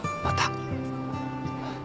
また。